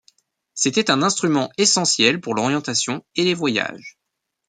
C'était un instrument essentiel pour l'orientation et les voyages.